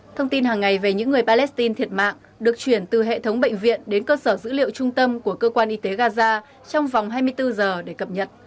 thông tin hàng ngày về những người palestine thiệt mạng được chuyển từ hệ thống bệnh viện đến cơ sở dữ liệu trung tâm của cơ quan y tế gaza trong vòng hai mươi bốn giờ để cập nhật